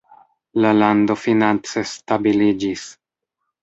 La lando finance stabiliĝis.